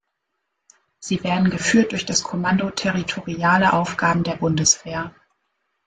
Sie werden geführt durch das Kommando Territoriale Aufgaben der Bundeswehr.